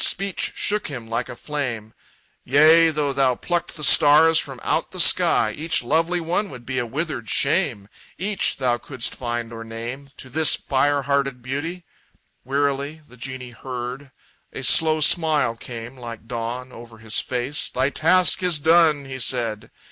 Speech shook him like a flame: "Yea, though thou plucked the stars from out the sky, Each lovely one would be a withered shame Each thou couldst find or name To this fire hearted beauty!" Wearily The genie heard. A slow smile came like dawn Over his face. "Thy task is done!" he said.